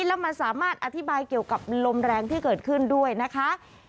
แล้วมันสามารถอธิบายเกี่ยวกับลมแรงที่เกิดขึ้นด้วยนะคะ